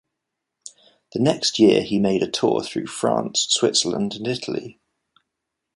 The next year he made a tour through France, Switzerland and Italy.